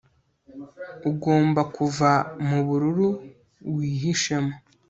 Ugomba kuva mubururu wihishemo